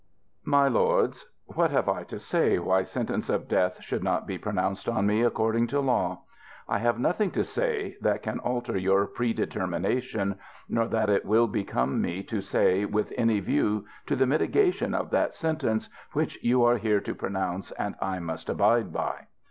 MY LORDS ŌĆö What have I to say why sentence of death should not be pronounced on me, according to law ? I have nothing to say, that can alter your predetermination, nor that it will be come me to say with any view to the mitigation of that sentence which you are here to pronounce, and I must abide by.